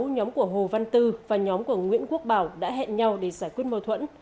nhóm của hồ văn tư và nhóm của nguyễn quốc bảo đã hẹn nhau để giải quyết mâu thuẫn